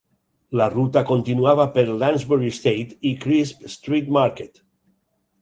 La ruta continuava per Lansbury Estate i Chrisp Street Market.